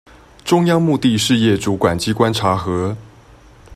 中央目的事業主管機關查核